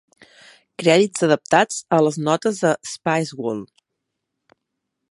Crèdits adaptats a les notes de "Spiceworld".